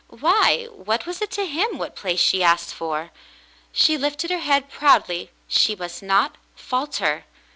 Why, what was it to him what place she asked for ? She lifted her head proudly. She must not falter.